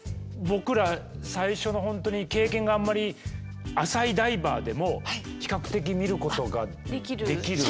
僕ら最初の本当に経験があんまり浅いダイバーでも比較的見ることができる。